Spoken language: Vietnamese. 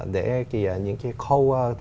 để những cái khâu